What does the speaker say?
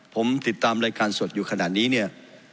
ผมติดตามรายการสดอยู่ขนาดนี้เนี่ย